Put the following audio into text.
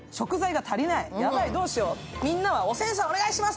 みんなはおせんさん、お願いします！